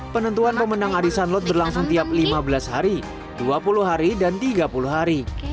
penentuan pemenang arisan lot berlangsung tiap lima belas hari dua puluh hari dan tiga puluh hari